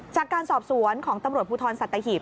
จากการสอบสวนของตำรวจภูทรสัตหีบ